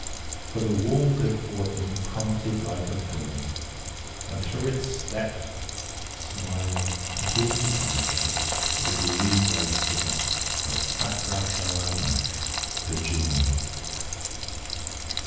For the wall before him parted like a film, and through it stepped, smiling benignantly, the green robed figure of Fakrash el Aamash, the Jinnee.